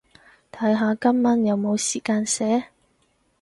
睇下今晚有冇時間寫